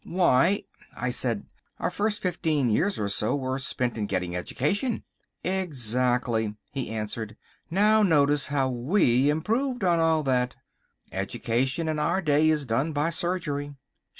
"Why," I said, "our first fifteen years or so were spent in getting education." "Exactly," he answered; "now notice how we improved on all that. Education in our day is done by surgery.